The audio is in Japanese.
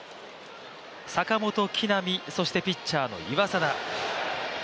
坂本、木浪、それからピッチャーの岩貞。